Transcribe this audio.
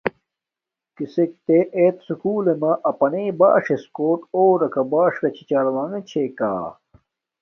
کسک تے ایت سوکولݵ ما اپنݵ باݽݽ کوٹ اور راکا باݽنݣ چھی چال ونݣ چھے کا